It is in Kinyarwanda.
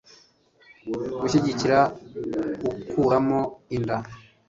gushyigikira gukuramo inda